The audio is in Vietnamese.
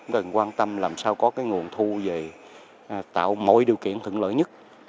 cần quan tâm làm sao có nguồn thu về tạo mọi điều kiện thượng lợi nhất